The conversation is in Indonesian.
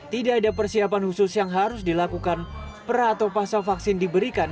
tidak ada persiapan khusus yang harus dilakukan pera atau pasal vaksin diberikan